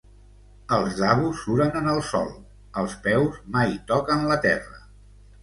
Els Dabus suren en el sòl, els peus mai toquen la terra.